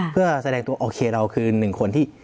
เพื่อแสดงตัวโอเคเราคือหนึ่งคนที่